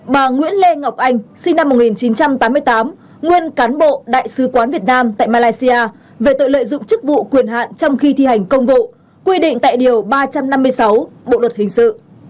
ba bà nguyễn lê ngọc anh sinh năm một nghìn chín trăm tám mươi tám nguyên cán bộ đại sứ quán việt nam tại malaysia về tội lợi dụng chức vụ quyền hạn trong khi thi hành công vụ quy định tại điều ba trăm năm mươi sáu bộ luật hình sự